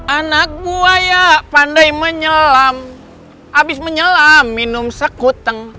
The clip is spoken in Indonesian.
anak buaya pandai menyelam abis menyelam minum sekuteng